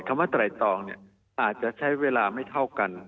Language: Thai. ว่าไตรตองอาจจะใช้เวลาไม่เท่ากัน